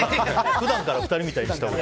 普段から２人みたいにしたほうが。